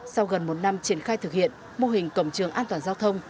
sau gần một năm triển khai thực hiện mô hình cổng trường an toàn giao thông